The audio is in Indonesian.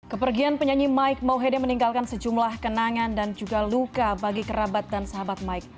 kepergian penyanyi mike mohede meninggalkan sejumlah kenangan dan juga luka bagi kerabat dan sahabat mike